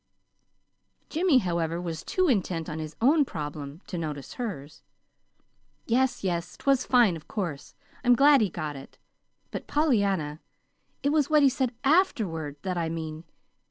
Jimmy, however, was too intent on his own problem to notice hers. "Yes, yes, 'twas fine, of course. I'm glad he got it. But Pollyanna, it was what he said AFTERWARD that I mean.